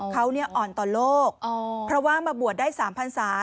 เขาอ่อนต่อโลกเพราะว่ามาบวชได้๓พันศา